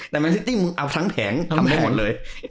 แต่เมนซิตี้เอาทั้งแผงทำได้หมดเลย